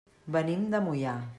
Venim de Moià.